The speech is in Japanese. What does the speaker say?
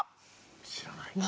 知らない。